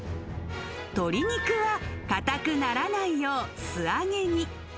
鶏肉は硬くならないよう、素揚げに。